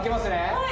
はい。